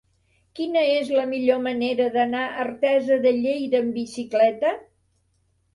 Quina és la millor manera d'anar a Artesa de Lleida amb bicicleta?